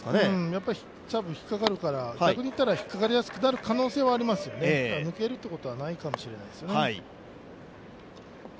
やっぱり多分引っかかるから逆にいったら、引っかかりやすくなる可能性はありますよね、抜けるということはないかもしれないですね。